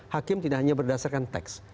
hakim tidak hanya berdasarkan teks